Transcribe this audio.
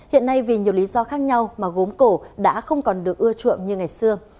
hiện nay vì nhiều lý do khác nhau mà gốm cổ đã không còn được ưa chuộng như ngày xưa